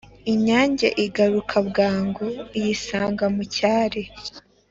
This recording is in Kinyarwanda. inyange igaruka bwangu, iyisanga mu cyari